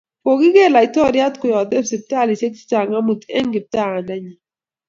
Kogiger laitoriat koyate siptalishek chehcang amut eng kiptandanyit